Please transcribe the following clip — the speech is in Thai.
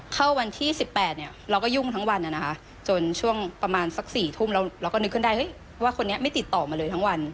เข้าวันที่๑๘เราก็ยุ่งทั้งวันนะคะจนช่วงประมาณสัก๔ทุ่มเราก็นึกขึ้นได้ว่าคนนี้ไม่ติดต่อมาเลยทั้งวัน